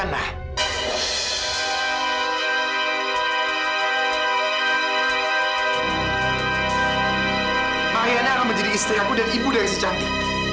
ayahnya adalah menjadi istri aku dan ibu dari si cantik